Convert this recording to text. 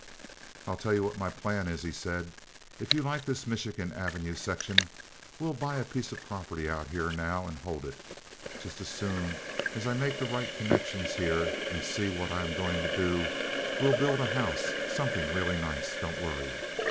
"I'll tell you what my plan is," he said. "If you like this Michigan Avenue section we'll buy a piece of property out here now and hold it. Just as soon as I make the right connections here and see what I am going to do we'll build a house—something really nice—don't worry.